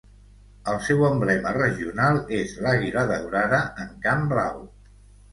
El seu emblema regional és l'àguila daurada en camp blau.